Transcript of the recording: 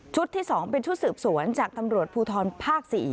ชุดที่สองเป็นชุดสืบสวนจากตำรวจภูทรภาคสี่